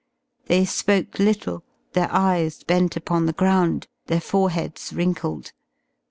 They spoke little, their eyes bent upon the ground, their foreheads wrinkled.